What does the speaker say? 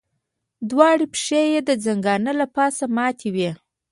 دواړه پښې یې د ځنګانه له پاسه ماتې وې.